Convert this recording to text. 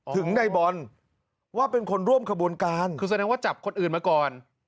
ถึงในบอลว่าเป็นคนร่วมขบวนการคือแสดงว่าจับคนอื่นมาก่อน